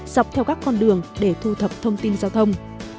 dọc theo các con đường để thu thập thông tin giao thông